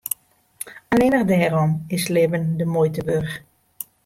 Allinne dêrom is it libben de muoite wurdich.